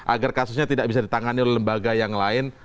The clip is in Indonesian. agar kasusnya tidak bisa ditangani oleh lembaga yang lain